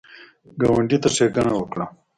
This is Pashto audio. ګاونډي ته ښېګڼه وکړه